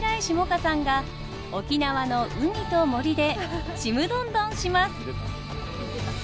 歌さんが沖縄の海と森でちむどんどんします！